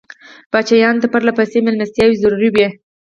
پاچایانو ته پرله پسې مېلمستیاوې ضروري وې.